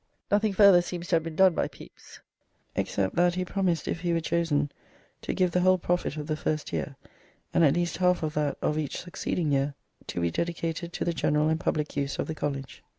Nothing further seems to have been done by Pepys, except that he promised if he were chosen to give the whole profit of the first year, and at least half of that of each succeeding year, to "be dedicated to the general and public use of the college."